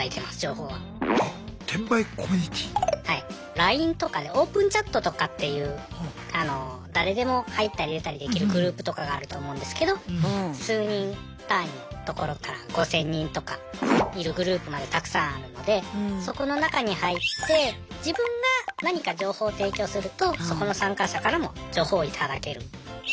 ＬＩＮＥとかでオープンチャットとかっていう誰でも入ったり出たりできるグループとかがあると思うんですけど数人単位のところから５，０００人とかいるグループまでたくさんあるのでそこの中に入って自分が何か情報を提供するとそこの参加者からも情報を頂ける。